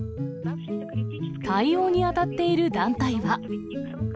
対応に当たっている団体は。